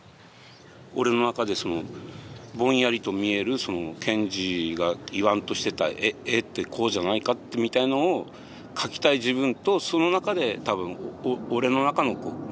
俺の中でぼんやりと見える賢治が言わんとしてた絵ってこうじゃないかってみたいのを描きたい自分とその中で多分俺の中の何かが一緒に現れてくるんです。